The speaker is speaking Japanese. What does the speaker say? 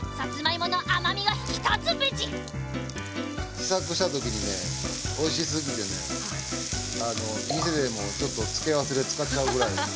試作した時にね美味しすぎてねあの店でもちょっと付け合わせで使っちゃうぐらい。